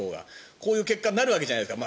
こういう結果になるわけじゃないですか。